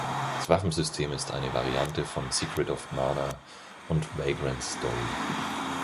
Das Waffensystem ist eine Variante von Secret of Mana und Vagrant Story.